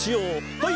はい！